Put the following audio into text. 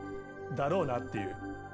だろうなっていう。